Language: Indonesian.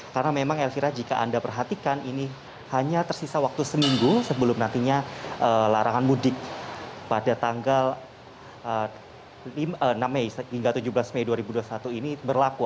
karena memang elvira jika anda perhatikan ini hanya tersisa waktu seminggu sebelum nantinya larangan mudik pada tanggal enam mei hingga tujuh belas mei dua ribu dua puluh satu ini berlaku